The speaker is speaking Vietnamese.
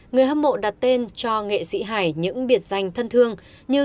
người hâm mộ đặt tên cho nghệ sĩ hải những biệt danh thân thương như